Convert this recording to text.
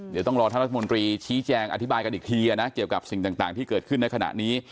เดี๋ยวต้องรอท่านรัฐมนตรีชี้แจงอธิบายกันอีกทีนะเกี่ยวกับสิ่งต่างที่เกิดขึ้นในขณะนี้